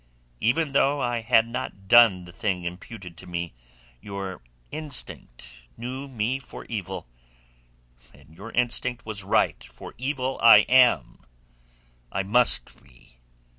Even though I had not done the thing imputed to me, your instinct knew me for evil; and your instinct was right, for evil I am—I must be.